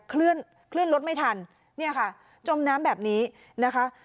เคลื่อนรถไม่ทันเนี่ยค่ะจมน้ำแบบนี้นะคะ